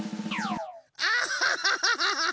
アッハハハハ！